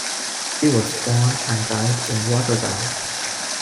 He was born and died in Rotterdam.